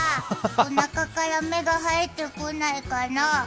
おなかから芽が生えてこないかな？